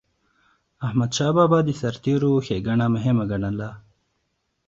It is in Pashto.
احمدشاه بابا به د سرتيرو ښيګڼه مهمه ګڼله.